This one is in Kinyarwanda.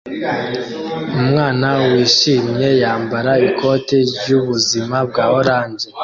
Umwana wishimye yambara ikoti ryubuzima bwa orange